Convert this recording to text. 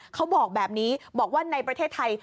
เขาบอกแบบนี้บอกว่าในประเทศไทย